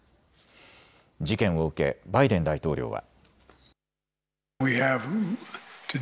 事件を受けバイデン大統領は。